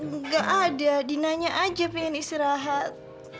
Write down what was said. enggak ada dinanya aja pengen istirahat